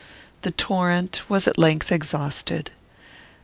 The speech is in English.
The torrent was at length exhausted.